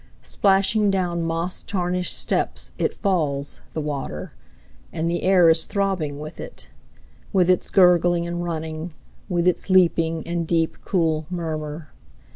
Splashing down moss tarnished steps It falls, the water; And the air is throbbing with it. With its gurgling and running. With its leaping, and deep, cool murmur.